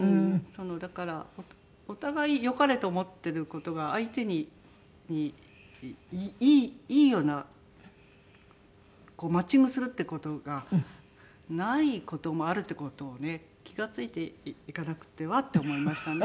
だからお互いよかれと思ってる事が相手にいいようなマッチングするって事がない事もあるって事をね気が付いていかなくてはって思いましたね。